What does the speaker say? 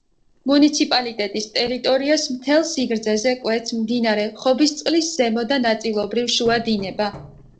მუნიციპალიტეტის ტერიტორიას მთელ სიგრძეზე კვეთს მდინარე ხობისწყლის ზემო და ნაწილობრივ შუა დინება.